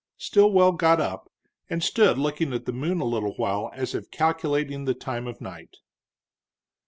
Stilwell got up, and stood looking at the moon a little while as if calculating the time of night.